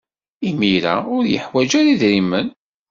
Imir-a, ur yeḥwaj ara idrimen.